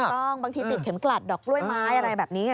ถูกต้องบางทีติดเข็มกลัดดอกกล้วยไม้อะไรแบบนี้